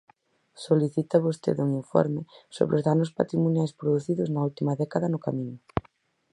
Solicita vostede un informe sobre os danos patrimoniais producidos na última década no Camiño.